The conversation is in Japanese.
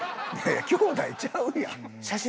きょうだいちゃうやん。